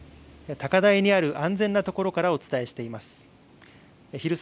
高台にある安全な所からお伝えしています。